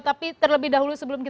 tapi terlebih dahulu sudah dikirimkan